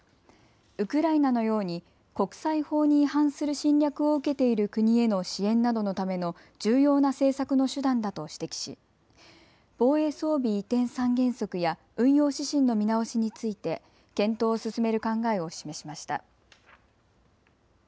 ウクライナのように国際法に違反する侵略を受けている国への支援などのための重要な政策の手段だと指摘し防衛装備移転三原則や運用指針の見直しについて検討を進める考えを示しました。